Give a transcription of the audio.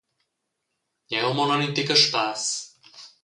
Jeu mon aunc in tec a spass.